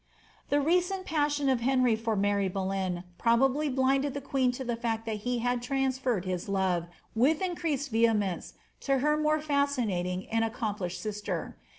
The recent passion of Henry for Mary Boleyn probably blinded the queen to the fact that he had transferred his love, with increased vehe mence, to her more foscinating and accomplished sister.